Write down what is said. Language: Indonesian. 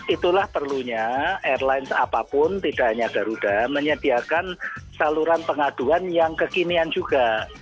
itulah perlunya airlines apapun tidak hanya garuda menyediakan saluran pengaduan yang kekinian juga